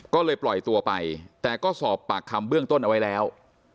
ก็เลยปล่อยตัวไปแต่ก็สอบปากคำเบื้องต้นเอาไว้แล้ว